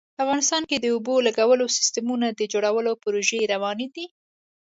افغانستان کې د اوبو لګولو سیسټمونو د جوړولو پروژې روانې دي